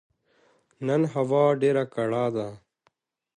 نن هوا ډيره کړه ده